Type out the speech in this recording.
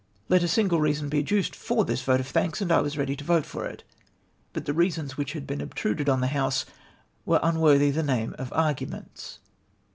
Let a single reason be adduced for this vote of thanks, and I was ready to vote for it — but the reasons Avhich had been obtruded on the House were unworthy the name of arguments.'''